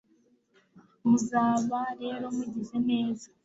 muzaba rero mugize neza